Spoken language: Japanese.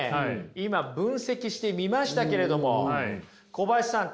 今分析してみましたけれども小林さん